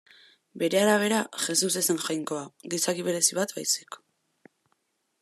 Bere arabera, Jesus ez zen Jainkoa, gizaki berezi bat baizik.